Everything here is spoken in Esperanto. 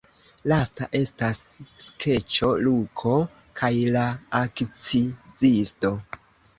Lasta estas skeĉo Luko kaj la akcizisto.